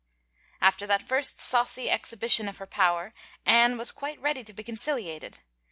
After that first saucy exhibition of her power, Anne was quite ready to be conciliated.